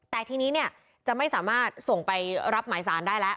แต่ทีนี้เนี่ยจะไม่สามารถส่งไปรับหมายสารได้แล้ว